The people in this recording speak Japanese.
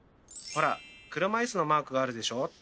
ほら車いすのマークがあるでしょ？